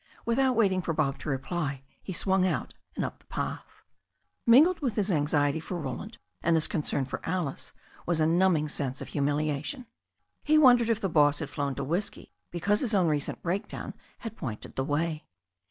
Without waiting for Bob to reply, he swung out and up the path. Mingled with his anxiety for Roland and his concern for Alice was a numbing sense of humiliation. He wondered if the boss had flown to whisky because his own recent break down had pointed the way.